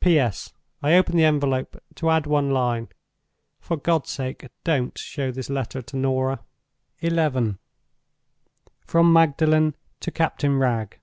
"P.S.—I open the envelope to add one line. For God's sake, don't show this letter to Norah!" XI. From Magdalen to Captain Wragge.